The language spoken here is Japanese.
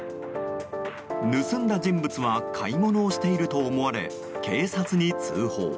盗んだ人物は買い物をしていると思われ警察に通報。